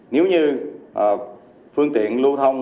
nếu như phương tiện lưu thông